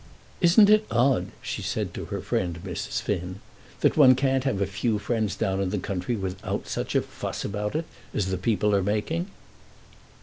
"Isn't it odd," she said to her friend, Mrs. Finn, "that one can't have a few friends down in the country without such a fuss about it as the people are making?"